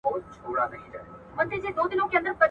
هره ورځ اختر نه دئ، چي وريجي غوښي وخورې.